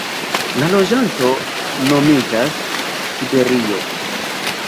La loĝanto nomiĝas "tiberio".